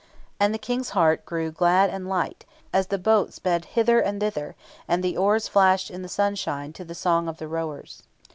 And the King's heart grew glad and light, as the boat sped hither and thither, and the oars flashed in the sunshine to the song of the rowers.